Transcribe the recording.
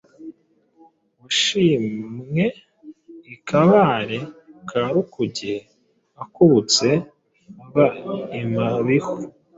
Washimwe i Kabare ka Rukuge, Akubutse ava i Mabiho